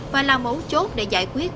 và là mấu chốt để giải quyết